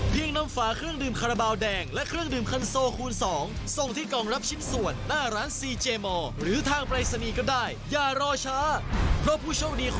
เพราะว่ากิจกรรมบาวแดงช่วยคนไทยสร้างอาชีพปี๒